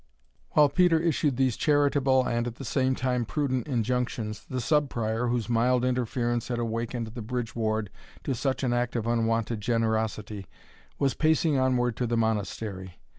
While Peter issued these charitable, and, at the same time, prudent injunctions, the Sub Prior, whose mild interference had awakened the Bridge Ward to such an act of unwonted generosity, was pacing onward to the Monastery.